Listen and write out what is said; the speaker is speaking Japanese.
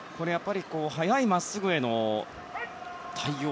速いまっすぐへの対応